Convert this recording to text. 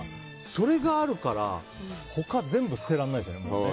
それがあるから他全部捨てられないです。